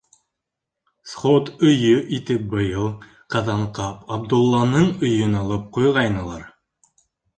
Сход өйө итеп быйыл Ҡаҙанҡап Абдулланың өйөн алып ҡуйғайнылар.